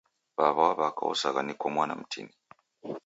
W'aw'a wa w'aka osagha niko mwana mtini